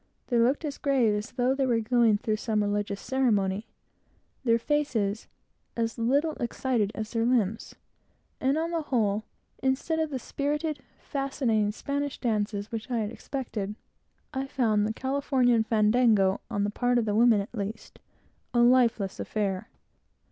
They looked as grave as though they were going through some religious ceremony, their faces as little excited as their limbs; and on the whole, instead of the spirited, fascinating Spanish dances which I had expected, I found the Californian fandango, on the part of the women at least, a lifeless affair.